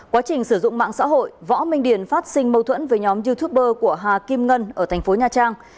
quá trình sử dụng mạng xã hội võ minh điển phát sinh mâu thuẫn với nhóm youtuber của hà kim ngân ở tp nha trang